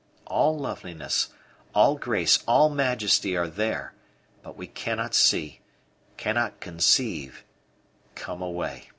All loveliness, all grace, all majesty are there; but we cannot see, cannot conceive come away!